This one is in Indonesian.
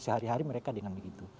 sehari hari mereka dengan begitu